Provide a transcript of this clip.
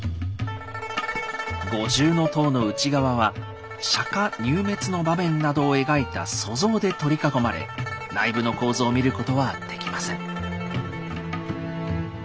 五重塔の内側は釈入滅の場面などを描いた塑像で取り囲まれ内部の構造を見ることはできません。